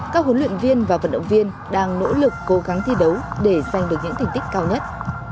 các huấn luyện viên và vận động viên đang nỗ lực cố gắng thi đấu để giành được những thành tích cao nhất